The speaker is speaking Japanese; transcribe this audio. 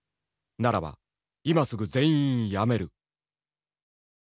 ならば今すぐ全員やめる」。